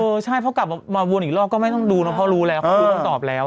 ใช่เพราะกลับมาวนอีกรอบก็ไม่ต้องดูนะเพราะรู้แล้วเขาดูต้องตอบแล้ว